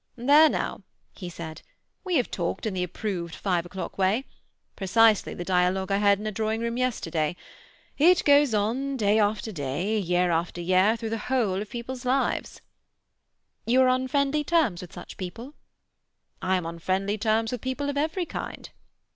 "There now," he said, "we have talked in the approved five o'clock way. Precisely the dialogue I heard in a drawing room yesterday. It goes on day after day, year after year, through the whole of people's lives." "You are on friendly terms with such people?" "I am on friendly terms with people of every kind."